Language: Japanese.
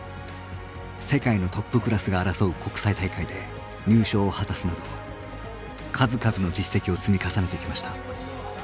世界のトップクラスが争う国際大会で入賞を果たすなど数々の実績を積み重ねてきました。